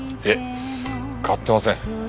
いえ変わってません。